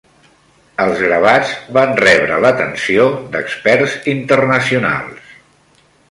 Els gravats van rebre l'atenció d'experts internacionals.